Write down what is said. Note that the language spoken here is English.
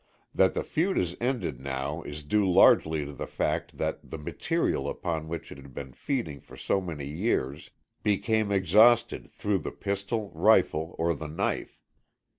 That the feud is ended now is due largely to the fact that the material upon which it had been feeding for so many years, became exhausted through the pistol, rifle or the knife.